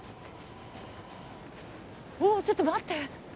おおっちょっと待って。